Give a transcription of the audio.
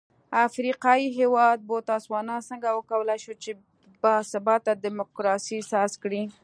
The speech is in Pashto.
افریقايي هېواد بوتسوانا څنګه وکولای شول چې با ثباته ډیموکراسي ساز کړي.